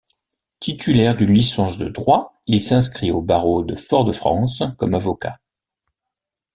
Titulaire d’une licence de droit, il s’inscrit au barreau de Fort-de-France comme avocat.